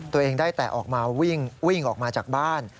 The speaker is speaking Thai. ตัวเองได้แต่ออกมาวิ่งออกมาจากบ้าน